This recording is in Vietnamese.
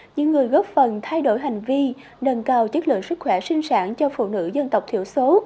những người góp phần thay đổi hành vi nâng cao chất lượng sức khỏe sinh sản cho phụ nữ dân tộc thiểu số